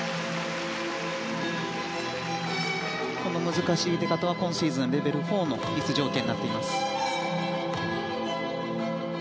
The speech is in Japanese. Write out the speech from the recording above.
難しい出方は今シーズンレベル４の必須条件になっていきます。